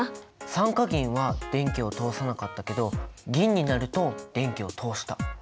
酸化銀は電気を通さなかったけど銀になると電気を通した。